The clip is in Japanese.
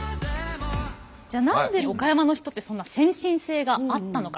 じゃあ何で岡山の人ってそんな先進性があったのか？